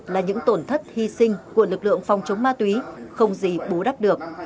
là những tổn thất hy sinh của lực lượng phòng chống ma túy không gì bú đắp được